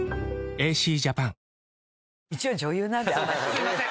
すいません。